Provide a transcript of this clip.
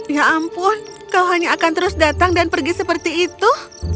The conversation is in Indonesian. ya ampun kau hanya akan terus datang dan pergi seperti itu